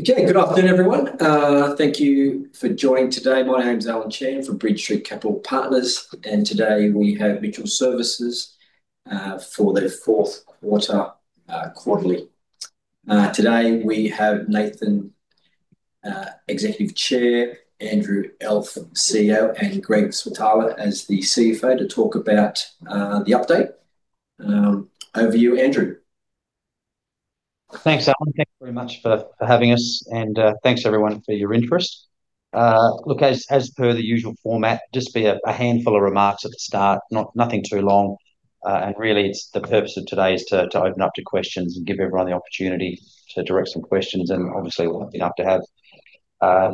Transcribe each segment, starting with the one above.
Okay. Good afternoon, everyone. Thank you for joining today. My name is Allen Chan from Bridge Street Capital Partners. Today we have Mitchell Services for their fourth quarter quarterly. Today we have Nathan, Executive Chair, Andrew Elf, CEO, and Greg Switala as the CFO to talk about the update. Over to you, Andrew. Thanks, Allen. Thank you very much for having us. Thanks, everyone, for your interest. Look, as per the usual format, just be a handful of remarks at the start. Nothing too long. Really, the purpose of today is to open up to questions and give everyone the opportunity to direct some questions. Obviously, we're lucky enough to have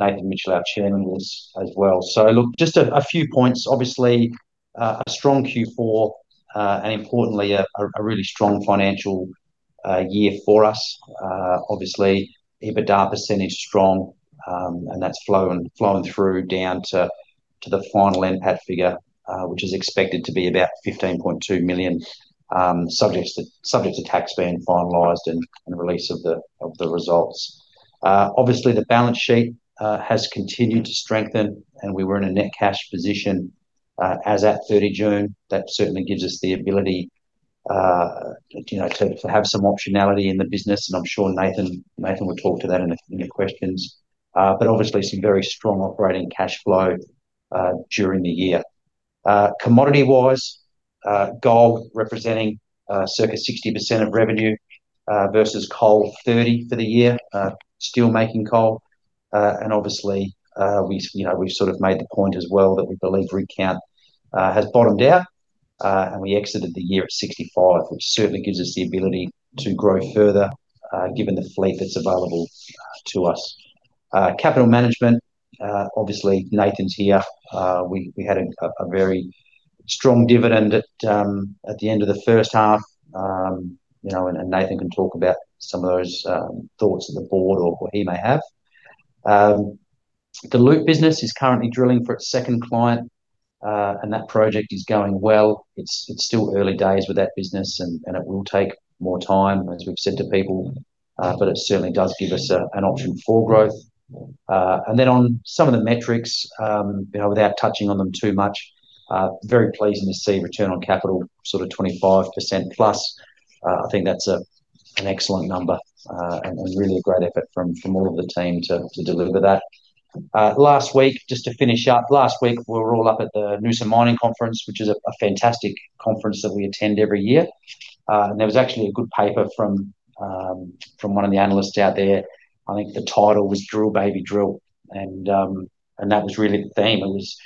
Nathan Mitchell, our Chairman, with us as well. Look, just a few points, obviously, a strong Q4. Importantly, a really strong financial year for us. Obviously, EBITDA % strong, and that's flowing through down to the final NPAT figure, which is expected to be about 15.2 million, subject to tax being finalized and release of the results. Obviously, the balance sheet has continued to strengthen. We were in a net cash position as at 30 June. That certainly gives us the ability to have some optionality in the business. I'm sure Nathan will talk to that in the questions. Obviously, some very strong operating cash flow during the year. Commodity-wise, gold representing circa 60% of revenue versus coal 30% for the year. Still making coal. Obviously, we've sort of made the point as well that we believe rig count has bottomed out. We exited the year at 65, which certainly gives us the ability to grow further given the fleet that's available to us. Capital management, obviously, Nathan's here. We had a very strong dividend at the end of the first half. Nathan can talk about some of those thoughts that the board or he may have. The Loop business is currently drilling for its second client. That project is going well. It's still early days with that business. It will take more time, as we've said to people, but it certainly does give us an option for growth. Then on some of the metrics, without touching on them too much, very pleasing to see return on capital sort of 25%+. I think that's an excellent number. Really a great effort from all of the team to deliver that. Last week, just to finish up, last week we were all up at the Noosa Mining Conference, which is a fantastic conference that we attend every year. There was actually a good paper from one of the analysts out there. I think the title was Drill, Baby, Drill, and that was really the theme. It was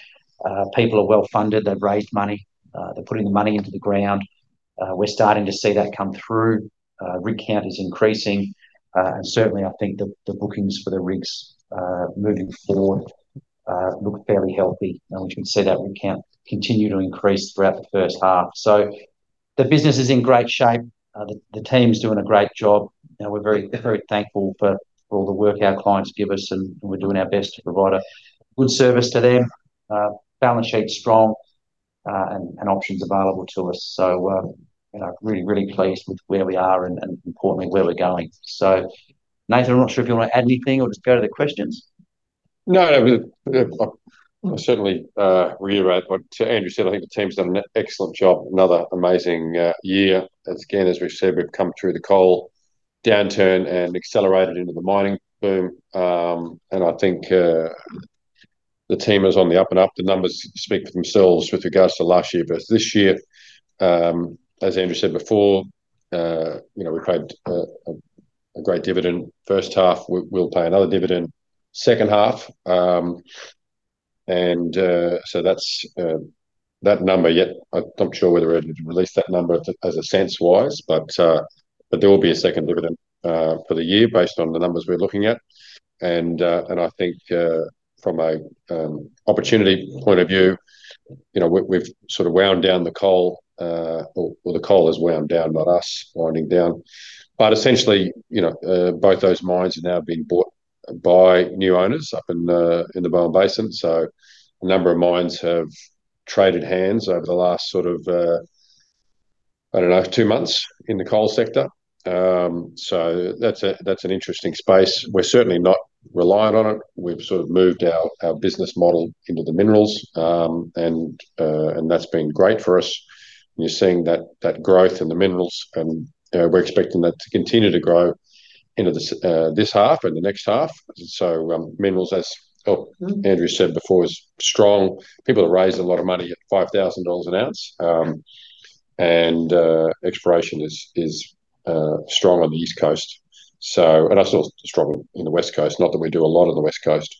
people are well-funded. They've raised money. They're putting the money into the ground. We're starting to see that come through. Rig count is increasing, certainly I think the bookings for the rigs moving forward look fairly healthy, and we can see that rig count continue to increase throughout the first half. The business is in great shape. The team's doing a great job. We're very thankful for all the work our clients give us, and we're doing our best to provide a good service to them. Balance sheet's strong, and options available to us. Really, really pleased with where we are and importantly, where we're going. Nathan, I'm not sure if you want to add anything or just go to the questions. I certainly reiterate what Andrew said. I think the team's done an excellent job. Another amazing year. Again, as we've said, we've come through the coal downturn and accelerated into the mining boom. I think the team is on the up and up. The numbers speak for themselves with regards to last year versus this year. As Andrew said before, we paid a great dividend first half. We'll pay another dividend second half. That number yet, I'm not sure whether I'd release that number as a sense wise, but there will be a second dividend for the year based on the numbers we're looking at. I think from an opportunity point of view, we've sort of wound down the coal or the coal has wound down, not us winding down. Essentially, both those mines have now been bought by new owners up in the Bowen Basin. A number of mines have traded hands over the last sort of, I don't know, two months in the coal sector. That's an interesting space. We're certainly not reliant on it. We've sort of moved our business model into the minerals, and that's been great for us. We're seeing that growth in the minerals, and we're expecting that to continue to grow into this half and the next half. Minerals, as Andrew said before, is strong. People have raised a lot of money at 5,000 dollars an ounce. Exploration is strong on the East Coast. That's also strong in the West Coast, not that we do a lot on the West Coast.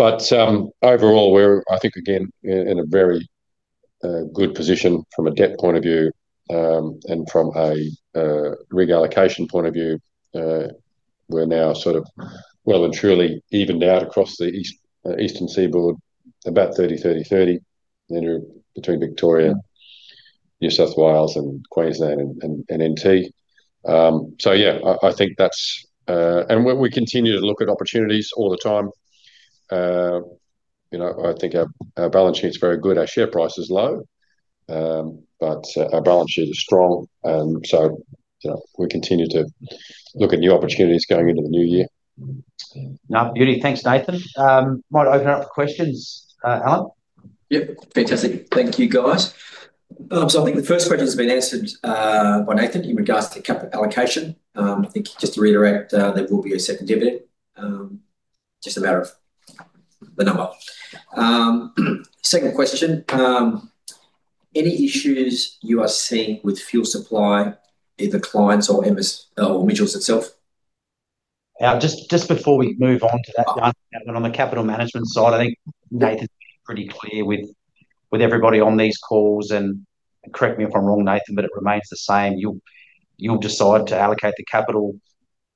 Overall, we're, I think again, in a very good position from a debt point of view, and from a rig allocation point of view. We're now sort of well and truly evened out across the Eastern Seaboard, about 30/30/30 between Victoria, New South Wales and Queensland, and N.T. We continue to look at opportunities all the time. I think our balance sheet's very good. Our share price is low. Our balance sheet is strong. We continue to look at new opportunities going into the new year. No. Beauty. Thanks, Nathan. Might open it up for questions. Allen? Yep. Fantastic. Thank you, guys. I think the first question's been answered by Nathan in regards to capital allocation. I think just to reiterate, there will be a second dividend. Just a matter of the number. Second question. Any issues you are seeing with fuel supply, either clients or Mitchell Services itself? Just before we move on to that one, on the capital management side, I think Nathan's been pretty clear with everybody on these calls. Correct me if I'm wrong, Nathan, but it remains the same. You'll decide to allocate the capital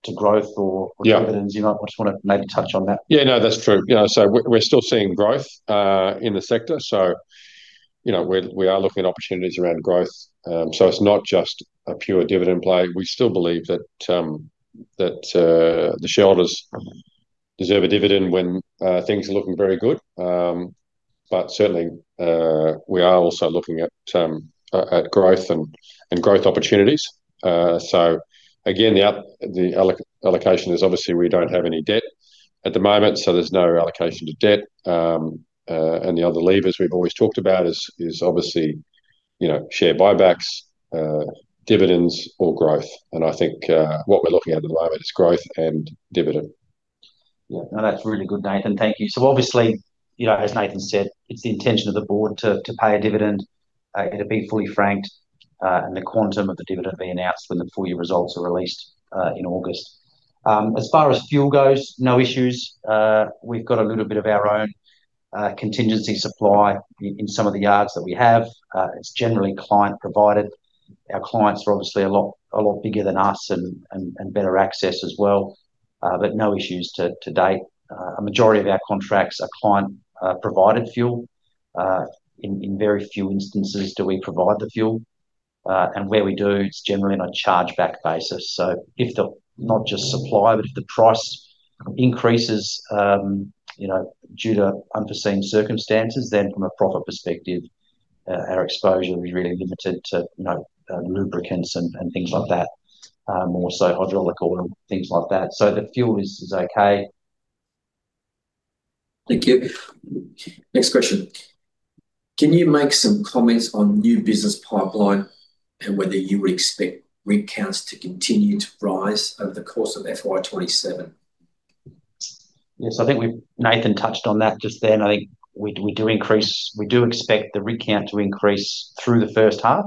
to growth or. Yeah. Dividends. I just want to maybe touch on that. No, that's true. We're still seeing growth in the sector, we are looking at opportunities around growth. It's not just a pure dividend play. We still believe that the shareholders deserve a dividend when things are looking very good. Certainly, we are also looking at growth and growth opportunities. Again, the allocation is obviously we don't have any debt at the moment, there's no allocation to debt. The other levers we've always talked about is obviously share buybacks, dividends or growth. I think what we're looking at at the moment is growth and dividend. No, that's really good, Nathan. Thank you. Obviously, as Nathan said, it's the intention of the board to pay a dividend. It'll be fully franked, the quantum of the dividend will be announced when the full year results are released in August. As far as fuel goes, no issues. We've got a little bit of our own contingency supply in some of the yards that we have. It's generally client provided. Our clients are obviously a lot bigger than us and better access as well. No issues to date. A majority of our contracts are client provided fuel. In very few instances do we provide the fuel. Where we do, it's generally on a charge back basis. If the, not just supply, but if the price increases due to unforeseen circumstances, then from a profit perspective, our exposure will be really limited to lubricants and things like that. More so hydraulic oil and things like that. The fuel is okay. Thank you. Next question. Can you make some comments on new business pipeline and whether you would expect rig counts to continue to rise over the course of FY 2027? Yes. I think Nathan touched on that just then. I think we do expect the rig count to increase through the first half.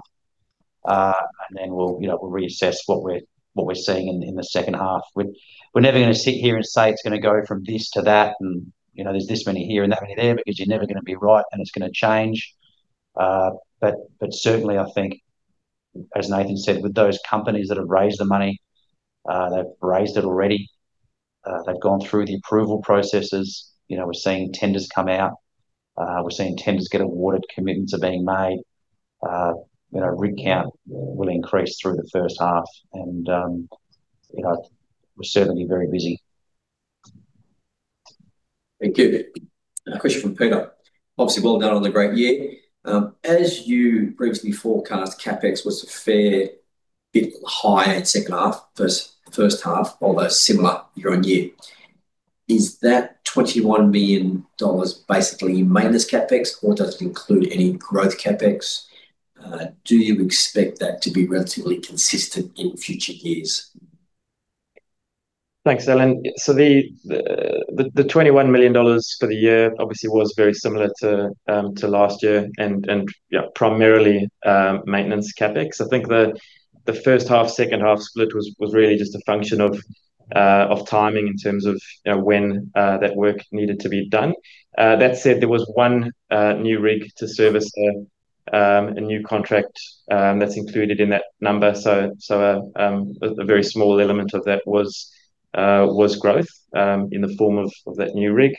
Then we'll reassess what we're seeing in the second half. We're never going to sit here and say it's going to go from this to that, and there's this many here and that many there, because you're never going to be right and it's going to change. Certainly I think as Nathan said, with those companies that have raised the money, they've raised it already. They've gone through the approval processes. We're seeing tenders come out. We're seeing tenders get awarded, commitments are being made. Rig count will increase through the first half and we're certainly very busy. Thank you. A question from Peter. Obviously well done on the great year. As you previously forecast, CapEx was a fair bit higher second half, first half, although similar year-on-year. Is that $21 million basically maintenance CapEx or does it include any growth CapEx? Do you expect that to be relatively consistent in future years? Thanks, Allen. The $21 million for the year obviously was very similar to last year and primarily maintenance CapEx. I think the first half second half split was really just a function of timing in terms of when that work needed to be done. That said, there was one new rig to service a new contract that's included in that number. A very small element of that was growth in the form of that new rig.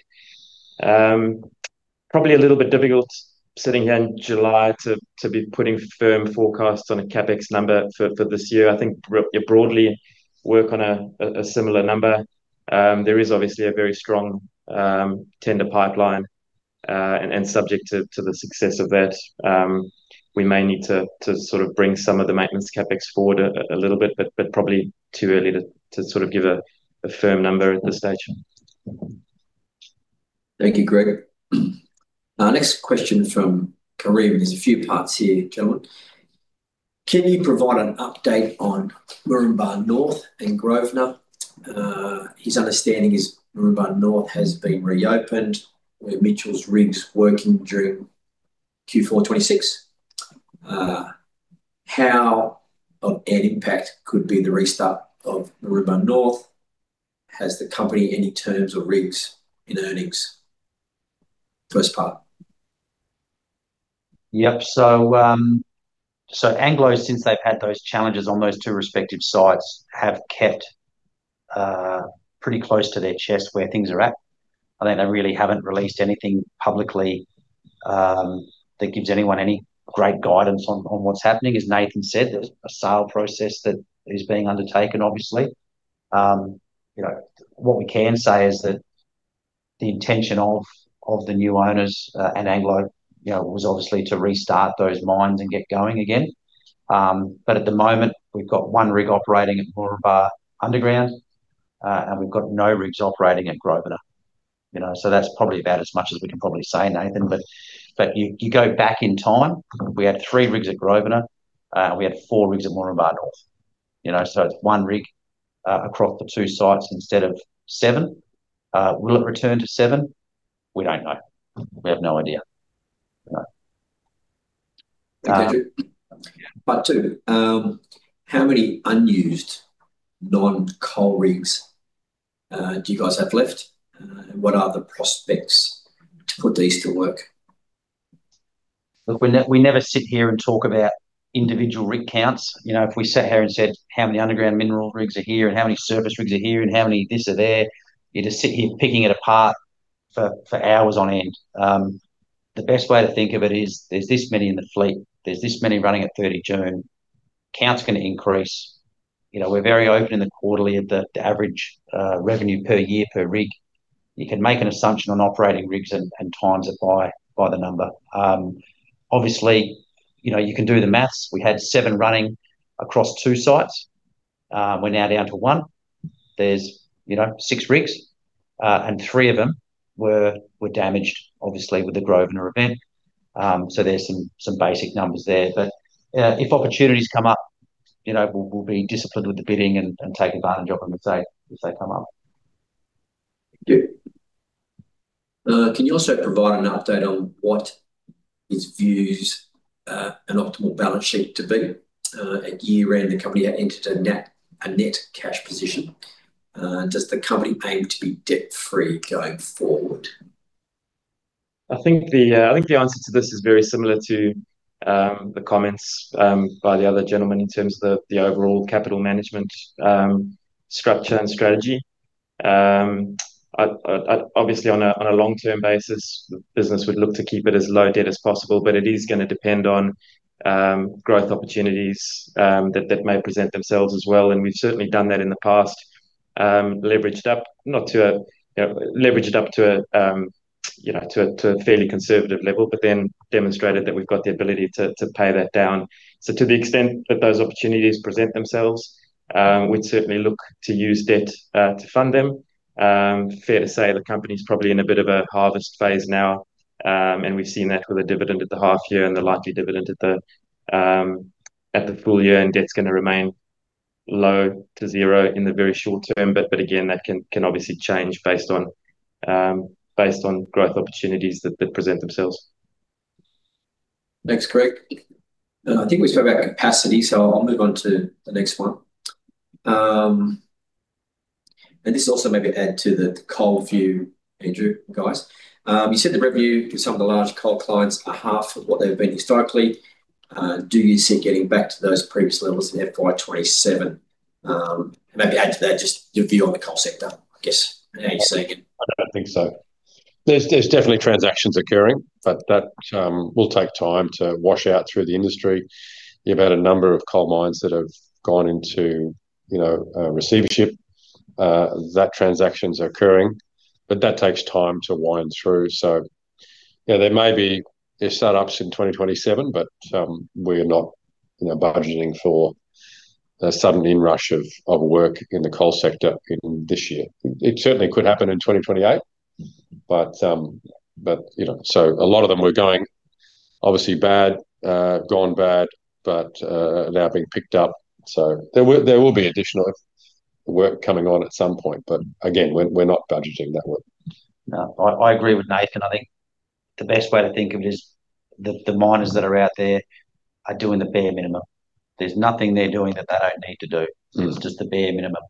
Probably a little bit difficult sitting here in July to be putting firm forecasts on a CapEx number for this year. I think broadly work on a similar number. There is obviously a very strong tender pipeline, and subject to the success of that. We may need to sort of bring some of the maintenance CapEx forward a little bit, probably too early to sort of give a firm number at this stage. Thank you, Greg. Our next question from Karim. There's a few parts here, gentlemen. Can you provide an update on Moranbah North and Grosvenor? His understanding is Moranbah North has been reopened with Mitchell's rigs working during Q4 FY 2026. How of an impact could be the restart of Moranbah North? Has the company any terms or rigs in earnings? First part. Yep. Anglo, since they've had those challenges on those two respective sites, have kept pretty close to their chest where things are at. I think they really haven't released anything publicly That gives anyone any great guidance on what's happening. As Nathan said, there's a sale process that is being undertaken, obviously. What we can say is that the intention of the new owners and Anglo was obviously to restart those mines and get going again. At the moment, we've got one rig operating at Moranbah Underground, and we've got no rigs operating at Grosvenor. That's probably about as much as we can probably say, Nathan. You go back in time, we had three rigs at Grosvenor, we had four rigs at Moranbah North. It's one rig across the two sites instead of seven. Will it return to seven? We don't know. We have no idea. No. Thank you. Part two. How many unused non-coal rigs do you guys have left? What are the prospects to put these to work? Look, we never sit here and talk about individual rig counts. If we sat here and said, "How many underground mineral rigs are here and how many service rigs are here and how many this are there?" You'd just sit here picking it apart for hours on end. The best way to think of it is there's this many in the fleet, there's this many running at June 30. Count's going to increase. We're very open in the quarterly at the average revenue per year per rig. You can make an assumption on operating rigs and times it by the number. Obviously, you can do the math. We had seven running across two sites. We're now down to one. There's six rigs, and three of them were damaged, obviously, with the Grosvenor event. There's some basic numbers there. If opportunities come up, we'll be disciplined with the bidding and take advantage of them if they come up. Thank you. Can you also provide an update on what is viewed as an optimal balance sheet to be at year-end? The company had entered a net cash position. Does the company aim to be debt-free going forward? I think the answer to this is very similar to the comments by the other gentleman in terms of the overall capital management structure and strategy. Obviously, on a long-term basis, the business would look to keep it as low debt as possible, but it is going to depend on growth opportunities that may present themselves as well, and we've certainly done that in the past. Leveraged up to a fairly conservative level, but then demonstrated that we've got the ability to pay that down. To the extent that those opportunities present themselves, we'd certainly look to use debt to fund them. Fair to say the company's probably in a bit of a harvest phase now. We've seen that with a dividend at the half year and the likely dividend at the full year, and debt's going to remain low to zero in the very short term. that can obviously change based on growth opportunities that present themselves. Thanks, Greg. I think we spoke about capacity, so I'll move on to the next one. This also maybe add to the coal view, Andrew, guys. You said the revenue for some of the large coal clients are half of what they've been historically. Do you see it getting back to those previous levels in FY 2027? Maybe add to that just your view on the coal sector, I guess, and how you're seeing it. I don't think so. There's definitely transactions occurring, that will take time to wash out through the industry. You've had a number of coal mines that have gone into receivership. That transaction's occurring, that takes time to wind through. There may be start-ups in 2027, we're not budgeting for a sudden inrush of work in the coal sector in this year. It certainly could happen in 2028. A lot of them were going obviously bad, gone bad, are now being picked up. There will be additional work coming on at some point. Again, we're not budgeting that work. No. I agree with Nathan. I think the best way to think of it is the miners that are out there are doing the bare minimum. There's nothing they're doing that they don't need to do. It's just the bare minimum.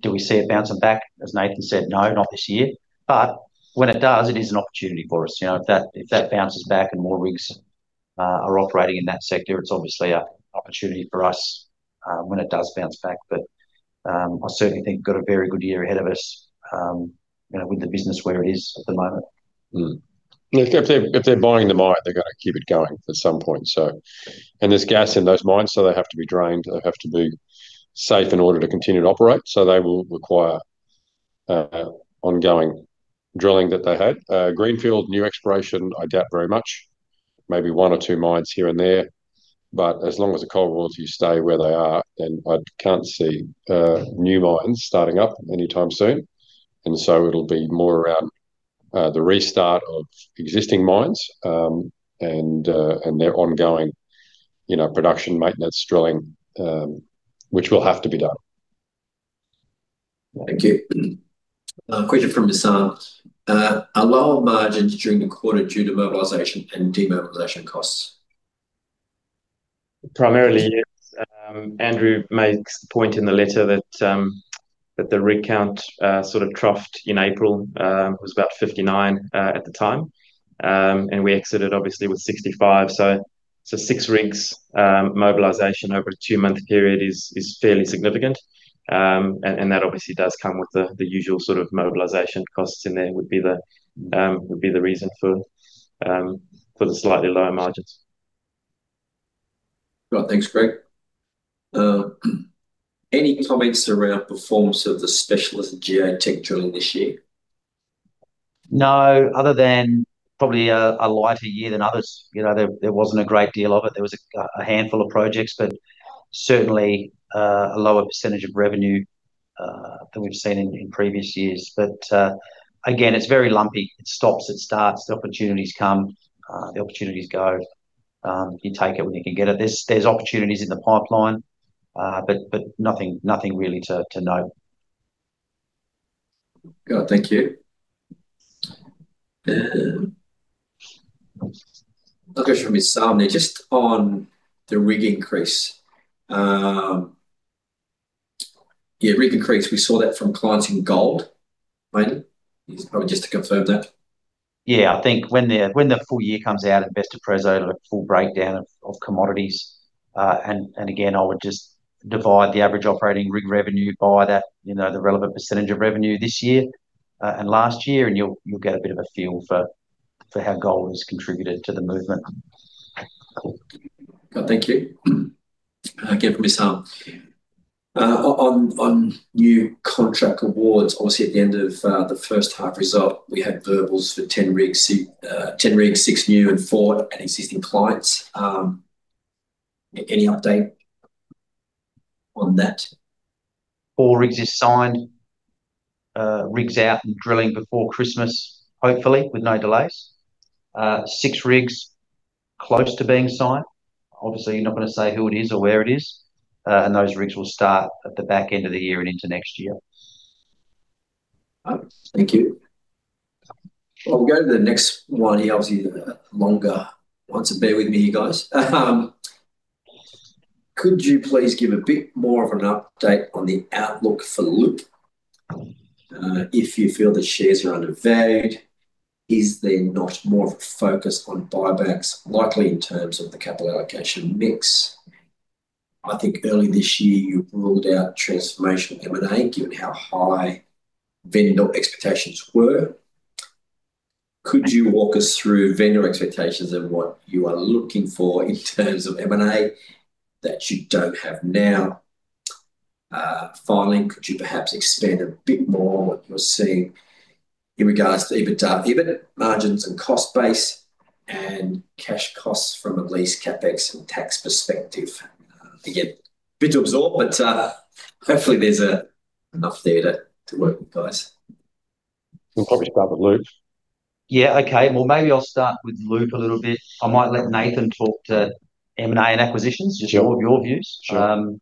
Do we see it bouncing back? As Nathan said, no, not this year. When it does, it is an opportunity for us. If that bounces back and more rigs are operating in that sector, it's obviously an opportunity for us when it does bounce back. I certainly think we've got a very good year ahead of us with the business where it is at the moment. If they're buying the mine, they've got to keep it going at some point. There's gas in those mines, so they have to be drained. They have to be safe in order to continue to operate. They will require ongoing drilling that they had. Greenfield, new exploration, I doubt very much. Maybe one or two mines here and there. As long as the coal royalties stay where they are, I can't see new mines starting up anytime soon. It'll be more around the restart of existing mines, and their ongoing production, maintenance, drilling, which will have to be done. Thank you. A question from Nisar. Are lower margins during the quarter due to mobilization and demobilization costs? Primarily, yes. Andrew makes the point in the letter that the rig count sort of troughed in April. It was about 59% at the time. We exited obviously with 65%. Six rigs, mobilization over a two-month period is fairly significant. That obviously does come with the usual sort of mobilization costs in there would be the reason for the slightly lower margins. Right. Thanks, Greg. Any comments around performance of the specialist Geotechnical drilling this year? No, other than probably a lighter year than others. There wasn't a great deal of it. There was a handful of projects, but certainly, a lower percentage of revenue than we've seen in previous years. Again, it's very lumpy. It stops, it starts. The opportunities come, the opportunities go. You take it when you can get it. There's opportunities in the pipeline, but nothing really to note. Good. Thank you. A question from Issam. Just on the rig increase. Rig increase, we saw that from clients in Gold, mainly. Probably just to confirm that. Yeah, I think when the full year comes out, investor preso have a full breakdown of commodities. Again, I would just divide the average operating rig revenue by that, the relevant percentage of revenue this year, and last year, and you'll get a bit of a feel for how gold has contributed to the movement. Cool. Thank you. Again, from Issam. On new contract awards, obviously at the end of the first half result, we had verbals for 10 rigs, six new and four at existing clients. Any update on that? Four rigs is signed, rigs out and drilling before Christmas, hopefully, with no delays. Six rigs close to being signed. Obviously you're not going to say who it is or where it is. Those rigs will start at the back end of the year and into next year. Thank you. I'll go to the next one here. Obviously they're longer ones, so bear with me, you guys. Could you please give a bit more of an update on the outlook for Loop? If you feel the shares are undervalued, is there not more of a focus on buybacks likely in terms of the capital allocation mix? I think earlier this year you ruled out transformational M&A, given how high vendor expectations were. Could you walk us through vendor expectations and what you are looking for in terms of M&A that you don't have now? Finally, could you perhaps expand a bit more on what you're seeing in regards to EBITDA, EBIT margins and cost base and cash costs from a lease CapEx and tax perspective? Again, a bit to absorb, but hopefully there's enough there to work with, guys. We'll probably start with Loop. Yeah, okay. Well, maybe I'll start with Loop a little bit. I might let Nathan talk to M&A and acquisitions. Sure. Just hear your views. Sure.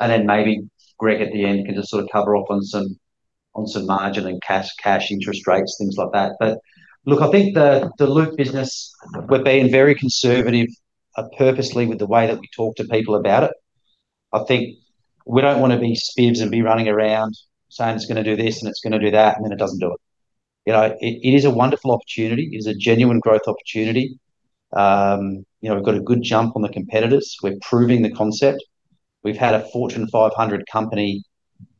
Then maybe Greg at the end can just sort of cover off on some margin and cash interest rates, things like that. Look, I think the Loop business, we're being very conservative, purposely with the way that we talk to people about it. I think we don't want to be spivs and be running around saying it's going to do this and it's going to do that, and then it doesn't do it. It is a wonderful opportunity. It is a genuine growth opportunity. We've got a good jump on the competitors. We're proving the concept. We've had a Fortune 500 company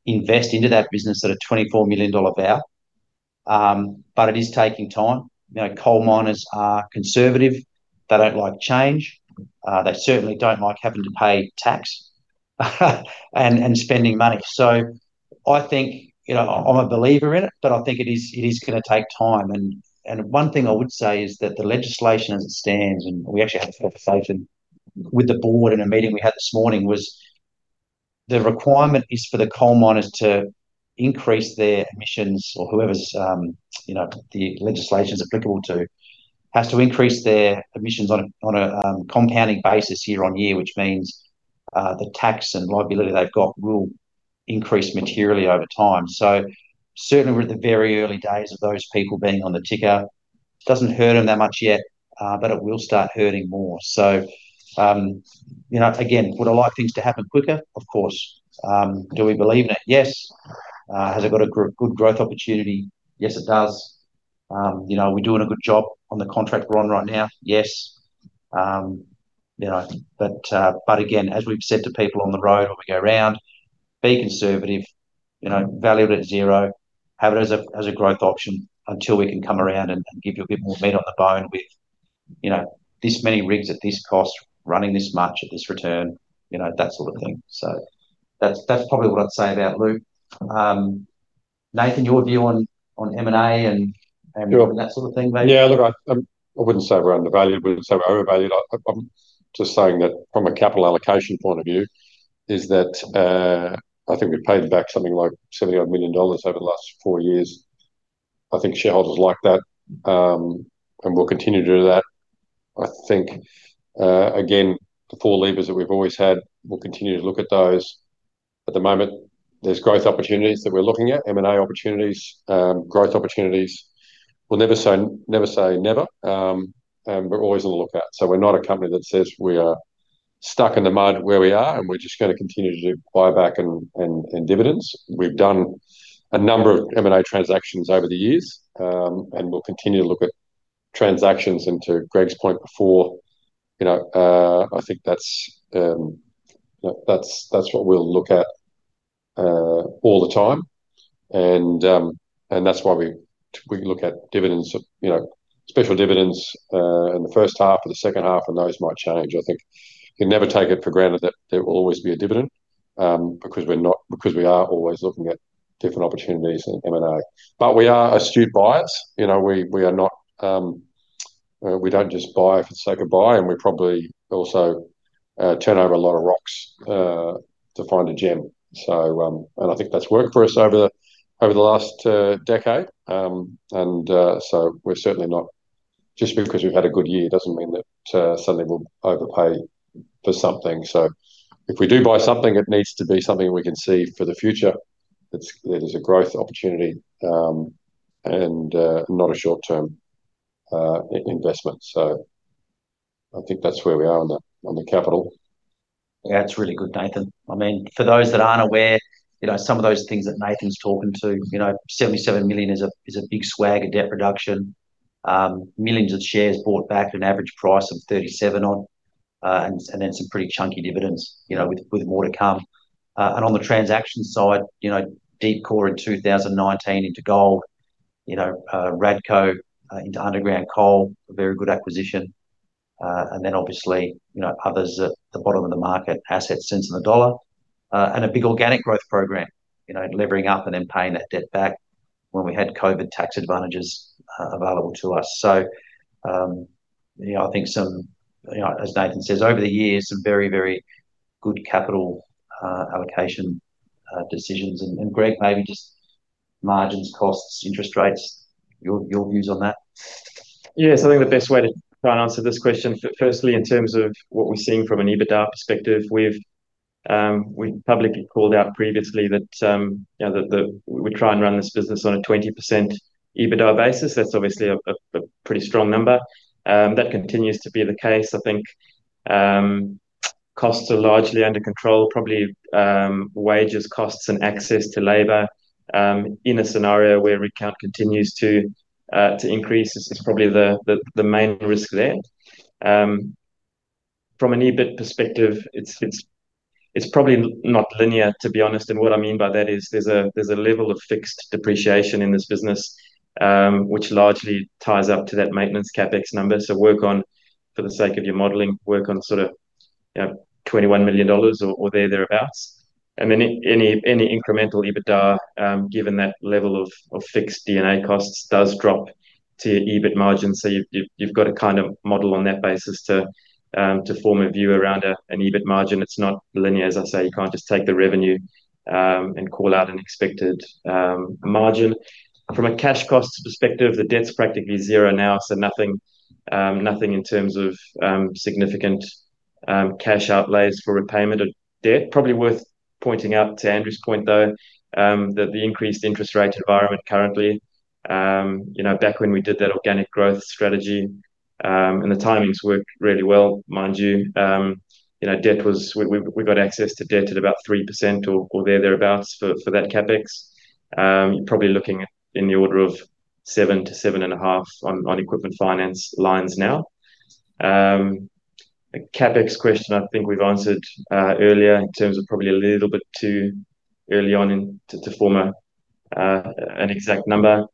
invest into that business at a $24 million val. It is taking time. Coal miners are conservative. They don't like change. They certainly don't like having to pay tax and spending money. I think, I am a believer in it, but I think it is going to take time and one thing I would say is that the legislation as it stands, and we actually had a conversation with the board in a meeting we had this morning, was the requirement is for the coal miners to increase their emissions or whoever's, the legislation's applicable to, has to increase their emissions on a compounding basis year-on-year, which means, the tax and liability they have got will increase materially over time. Certainly we are at the very early days of those people being on the ticker. It does not hurt them that much yet. It will start hurting more. Again, would I like things to happen quicker? Of course. Do we believe in it? Yes. Has it got a good growth opportunity? Yes, it does. Are we doing a good job on the contract we are on right now? Yes. Again, as we have said to people on the road when we go around, be conservative. Value it at zero. Have it as a growth option until we can come around and give you a bit more meat on the bone with this many rigs at this cost, running this much at this return. That sort of thing. That is probably what I would say about Loop. Nathan, your view on M&A and. Sure. That sort of thing maybe? Look, I would not say we are undervalued. I would not say we are overvalued. I am just saying that from a capital allocation point of view is that, I think we have paid back something like 78 million dollars over the last four years. I think shareholders like that. We will continue to do that. I think, again, the four levers that we have always had, we will continue to look at those. At the moment, there are growth opportunities that we are looking at, M&A opportunities, growth opportunities. We will never say never, and we are always on the lookout. We are not a company that says we are Stuck in the mud where we are, and we are just going to continue to do buyback and dividends. We have done a number of M&A transactions over the years, and we will continue to look at transactions. To Greg's point before, I think that's what we'll look at all the time and that's why we look at dividends, special dividends, in the first half or the second half, and those might change. I think you can never take it for granted that there will always be a dividend, because we are always looking at different opportunities in M&A. We are astute buyers. We don't just buy for the sake of buy, and we probably also turn over a lot of rocks to find a gem. I think that's worked for us over the last decade. Just because we've had a good year doesn't mean that suddenly we'll overpay for something. If we do buy something, it needs to be something we can see for the future that is a growth opportunity, and not a short-term investment. I think that's where we are on the capital. It's really good, Nathan. For those that aren't aware, some of those things that Nathan's talking to, 77 million is a big swag of debt reduction. Millions of shares bought back at an average price of 37 on, and then some pretty chunky dividends, with more to come. On the transactions side, Deepcore in 2019 into gold, Radco into underground coal, a very good acquisition. Obviously, others at the bottom of the market, assets cents on the dollar. A big organic growth program, levering up and then paying that debt back when we had COVID tax advantages available to us. I think as Nathan says, over the years, some very, very good capital allocation decisions. Greg, maybe just margins, costs, interest rates, your views on that. I think the best way to try and answer this question, firstly, in terms of what we're seeing from an EBITDA perspective, we've publicly called out previously that we try and run this business on a 20% EBITDA basis. That's obviously a pretty strong number. That continues to be the case. I think costs are largely under control. Probably wages, costs, and access to labor, in a scenario where headcount continues to increase is probably the main risk there. From an EBIT perspective, it's probably not linear, to be honest. What I mean by that is there's a level of fixed depreciation in this business, which largely ties up to that maintenance CapEx number. For the sake of your modeling, work on $21 million, or thereabouts. Any incremental EBITDA, given that level of fixed D&A costs, does drop to EBIT margin. You've got to kind of model on that basis to form a view around an EBIT margin. It's not linear, as I say. You can't just take the revenue and call out an expected margin. From a cash cost perspective, the debt's practically zero now, nothing in terms of significant cash outlays for repayment of debt. Probably worth pointing out to Andrew's point, though, that the increased interest rate environment currently, back when we did that organic growth strategy, and the timing's worked really well, mind you. We got access to debt at about 3% or thereabouts for that CapEx. You're probably looking at in the order of 7%-7.5% on equipment finance lines now. The CapEx question I think we've answered earlier in terms of probably a little bit too early on to form an exact number.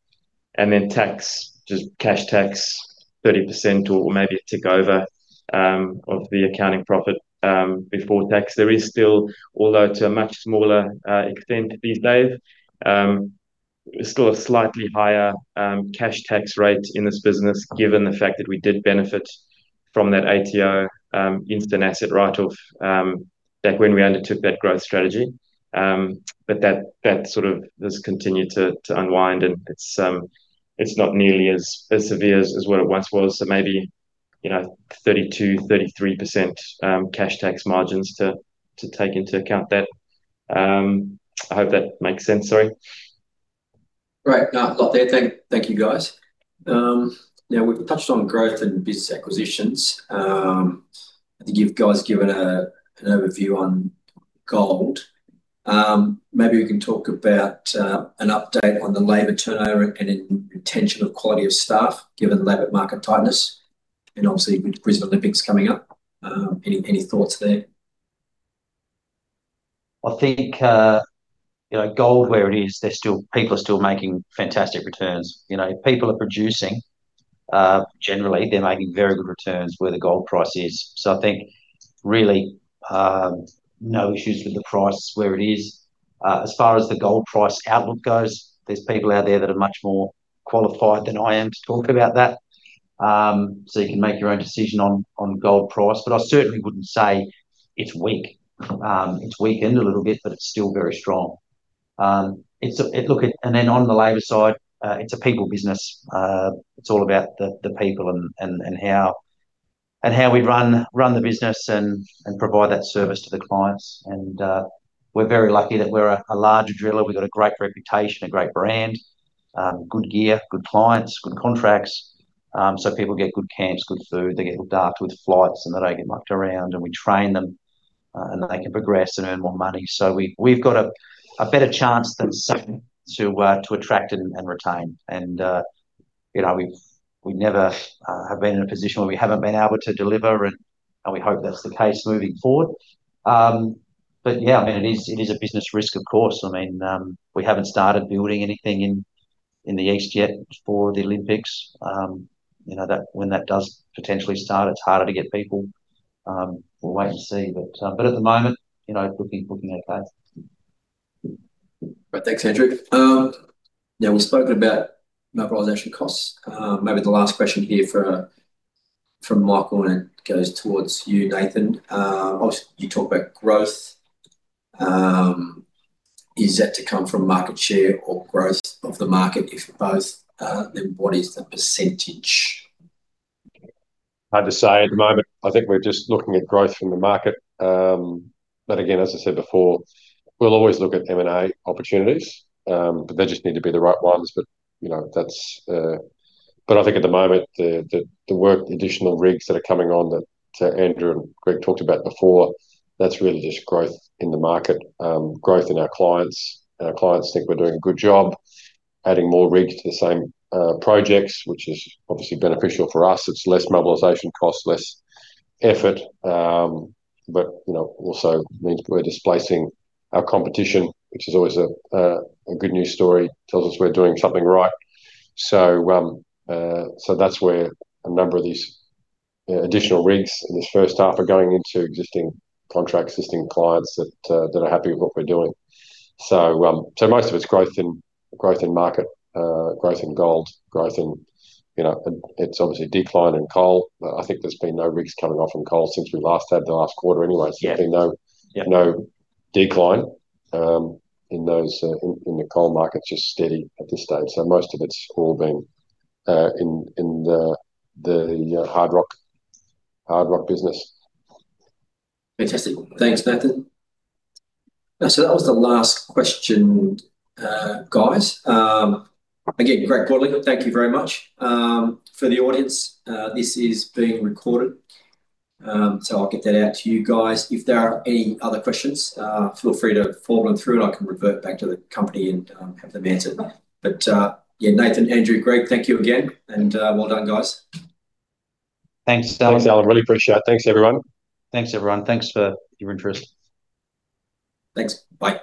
Tax, just cash tax, 30% or maybe a tick over of the accounting profit before tax. There is still, although to a much smaller extent these days, still a slightly higher cash tax rate in this business given the fact that we did benefit from that ATO instant asset write-off back when we undertook that growth strategy. That has continued to unwind, and it's not nearly as severe as what it once was. Maybe 32%-33% cash tax margins to take into account that. I hope that makes sense. Sorry. Great. No, a lot there. Thank you, guys. We've touched on growth and business acquisitions. I think you guys given an overview on gold. Maybe we can talk about an update on the labor turnover and retention of quality of staff given labor market tightness, and obviously with Brisbane 2032 coming up. Any thoughts there? I think gold where it is, people are still making fantastic returns. If people are producing, generally, they're making very good returns where the gold price is. I think really, no issues with the price where it is. As far as the gold price outlook goes, there's people out there that are much more qualified than I am to talk about that. You can make your own decision on gold price. I certainly wouldn't say it's weak. It's weakened a little bit, but it's still very strong. On the labor side, it's a people business. It's all about the people and how we run the business and provide that service to the clients. We're very lucky that we're a large driller. We've got a great reputation, a great brand good gear, good clients, good contracts. People get good camps, good food, they get looked after with flights, and they don't get mucked around, and we train them, and they can progress and earn more money. We've got a better chance than some to attract and retain. We never have been in a position where we haven't been able to deliver and we hope that's the case moving forward. Yeah, it is a business risk, of course. We haven't started building anything in the East yet for the Olympics. When that does potentially start, it's harder to get people. We'll wait and see. At the moment, looking okay. Great. Thanks, Andrew. We've spoken about mobilization costs. Maybe the last question here from Michael, and it goes towards you, Nathan. You talk about growth. Is that to come from market share or growth of the market? If both, then what is the percentage? Hard to say at the moment. I think we're just looking at growth from the market. Again, as I said before, we'll always look at M&A opportunities, but they just need to be the right ones. I think at the moment, the work, the additional rigs that are coming on that Andrew and Greg talked about before, that's really just growth in the market, growth in our clients. Our clients think we're doing a good job adding more rigs to the same projects, which is obviously beneficial for us. It's less mobilization cost, less effort. Also means we're displacing our competition, which is always a good news story. Tells us we're doing something right. That's where a number of these additional rigs in this first half are going into existing contracts, existing clients that are happy with what we're doing. Most of it's growth in market, growth in gold. It's obviously a decline in coal, I think there's been no rigs coming off from coal since we last had the last quarter anyway. Yeah. There's been no decline in the coal market, just steady at this stage. Most of it's all been in the hard rock business. Fantastic. Thanks, Nathan. That was the last question, guys. Again, great quarter. Thank you very much. For the audience, this is being recorded, so I'll get that out to you guys. If there are any other questions, feel free to forward them through and I can revert back to the company and have them answered. Yeah, Nathan, Andrew, Greg, thank you again and well done, guys. Thanks, Allen. Thanks, Allen. Really appreciate it. Thanks, everyone. Thanks, everyone. Thanks for your interest. Thanks. Bye